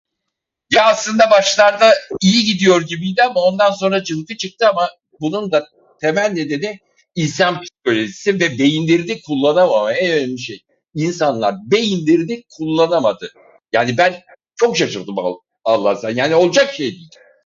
Ya, aslında başlarda iyi gidiyor gibiydi ama ondan sonra cılkı çıktı ama, bunun da temel nedeni insan psikolojisi ve beyinlerini kullanamamaya ve öyle bir şey. İnsanlar beyinlerini kullanamadı. Yani ben, çok şaşırdım anlarsan, yani olacak şey değil!